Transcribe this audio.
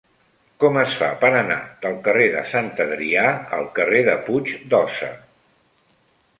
Com es fa per anar del carrer de Sant Adrià al carrer de Puig d'Óssa?